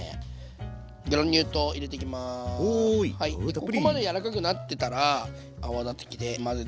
ここまで柔らかくなってたら泡立て器で混ぜていきます。